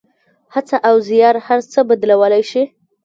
هڅه او زیار هر څه بدلولی شي.